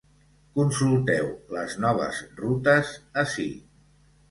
Consulteu les noves rutes ací.